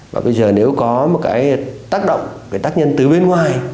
và bây giờ nếu có một cái tác động về tác nhân từ bên ngoài